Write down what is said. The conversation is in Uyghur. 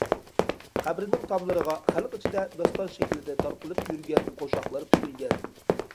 قەبرىنىڭ تاملىرىغا خەلق ئىچىدە داستان شەكلىدە تارقىلىپ يۈرگەن قوشاقلار پۈتۈلگەن.